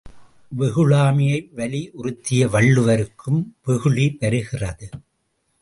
வெகுளாமையை வலியுறுத்திய வள்ளுவருக்கும் வெகுளி வருகிறது.